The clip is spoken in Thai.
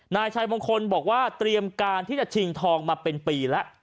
นายชัยมงคลบอกว่าเตรียมการที่จะชิงทองมาเป็นปีแล้ว